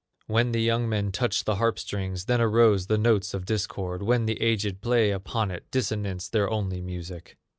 When the young men touched the harp strings, Then arose the notes of discord; When the aged played upon it, Dissonance their only music.